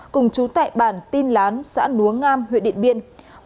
cùng chú tại bản tin lán xã núa ngam huyện điện biên